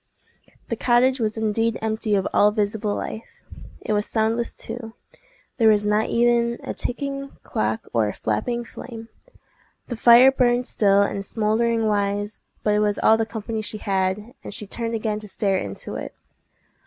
The cottage was indeed empty of all visible life. It was soundless, too: there was not even a ticking clock or a flapping flame. The fire burned still and smouldering wise; but it was all the company she had, and she turned again to stare into it.